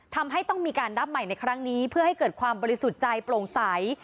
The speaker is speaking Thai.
ทำให้ต้องมีการรับใหม่ในครั้งนี้เพื่อให้เกิดความบริสุทธิ์ใจโปร่งใส